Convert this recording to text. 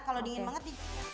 kalau dingin banget